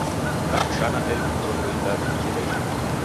Dakushana elfu mrongo idadu kila ituku.